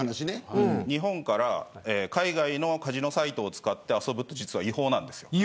日本から海外のカジノサイトを使って遊ぶのは違法なんです。